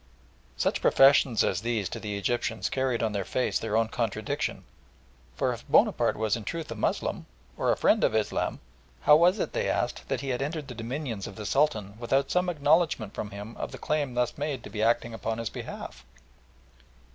Such professions as these to the Egyptians carried on their face their own contradiction, for, if Bonaparte was in truth a Moslem, or a friend of Islam, how was it, they asked, that he had entered the dominions of the Sultan without some acknowledgment from him of the claim thus made to be acting upon his behalf?